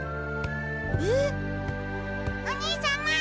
えっ？お兄様。